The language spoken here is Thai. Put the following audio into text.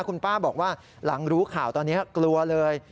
คุณป้าบอกว่าหลังรู้ข่าวตอนนี้กลัวเลย